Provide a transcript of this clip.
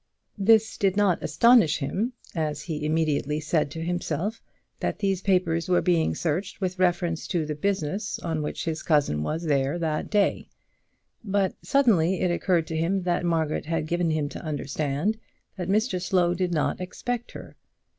This did not astonish him, as he immediately said to himself that these papers were being searched with reference to the business on which his cousin was there that day; but suddenly it occurred to him that Margaret had given him to understand that Mr Slow did not expect her.